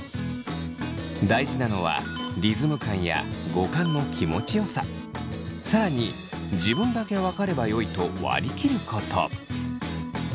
大事なのはリズム感や語感の気持ちよさ更に自分だけわかればよいと割り切ること。